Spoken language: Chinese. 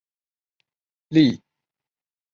立碗藓为葫芦藓科立碗藓属下的一个种。